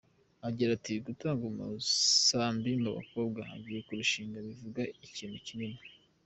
Agira ati “Gutanga umusambi ku mukobwa ugiye kurushinga bivuga ikintu kinini.